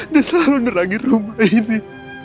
dia selalu neragi rumah ini